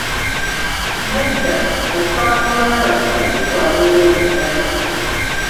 Nedda, okusoma mu Bonna Basome' si kwa bwereere ddala.